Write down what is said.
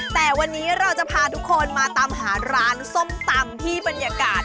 แต่วันนี้เราจะพาทุกคนมาตามหาร้านส้มตำที่บรรยากาศ